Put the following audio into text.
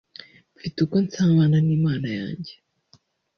mfite uko nsabana n’Imana yanjye